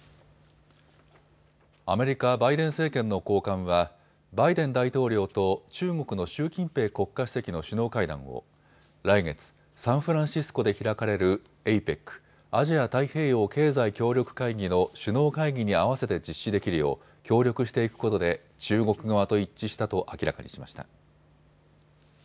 アメリカバイデン政権の高官はバイデン大統領と中国の習近平国家主席の首脳会談を来月、サンフランシスコで開かれるＡＰＥＣ・アジア太平洋経済協力会議の首脳会議に合わせて実施できるよう協力していくことで中国側と一致したと明らかにしました。